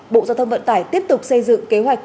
bộ giao thông vận tải tiếp tục xây dựng kế hoạch